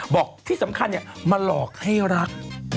บอกที่สำคัญมาหลอกให้รัก